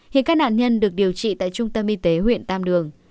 hiện các nạn nhân được điều trị tại trung tâm y tế huyện tam đường